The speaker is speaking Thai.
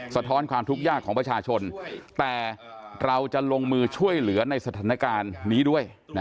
สะท้อนความทุกข์ยากของประชาชนแต่เราจะลงมือช่วยเหลือในสถานการณ์นี้ด้วย